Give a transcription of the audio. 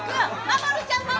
まもるちゃんも！